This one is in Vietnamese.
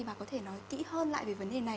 bà có thể nói kỹ hơn lại về vấn đề này